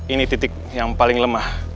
ini titik yang paling lemah